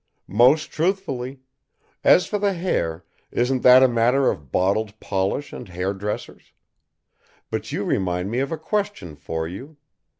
"Most truthfully. As for the hair, isn't that a matter of bottled polish and hairdressers? But you remind me of a question for you.